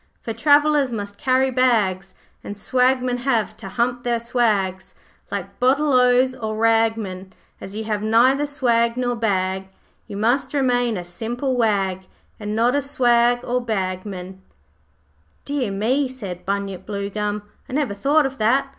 For travellers must carry bags, And swagmen have to hump their swags Like bottle ohs or ragmen. As you have neither swag nor bag You must remain a simple wag, And not a swag or bagman.' 'Dear me,' said Bunyip Bluegum, 'I never thought of that.